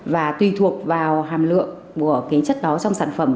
và tùy thuộc vào hàm lượng của cái chất đó trong sản phẩm